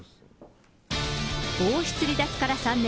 王室離脱から３年。